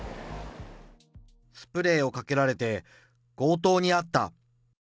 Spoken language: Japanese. スプレーをかけられて、強盗に遭った。